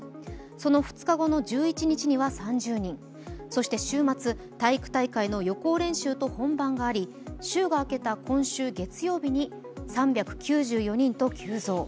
その２日後の１１日には３０人、そして週末、体育大会の予行練習と本番があり週が明けた今週月曜日に３９４人と急増。